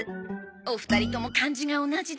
お二人とも漢字が同じで。